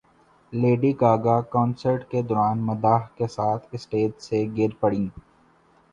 lady Gaga concert کے دوران مداح کے ساتھ اسٹیج سے گر پڑیں